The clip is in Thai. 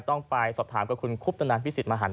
ต้องไปสอบถามกับคุณคุ๊ปพศิริมาหัน